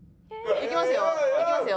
いきますよ。